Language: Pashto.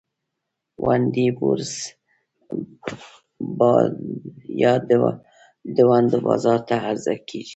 ونډې بورس یا د ونډو بازار ته عرضه کیږي.